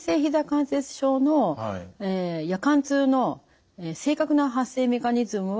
関節症の夜間痛の正確な発生メカニズムは不明です。